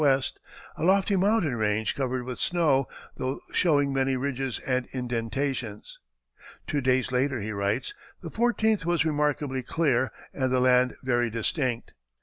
W., a lofty mountain range covered with snow, though showing many ridges and indentations." Two days later he writes: "The 14th was remarkably clear and the land very distinct.